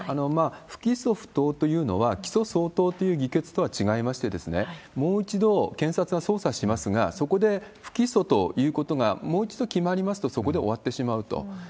不起訴不当というのは、起訴相当という議決とは違いまして、もう一度検察は捜査しますが、そこで不起訴ということがもう一度決まりますと、そこで終わってしまうと。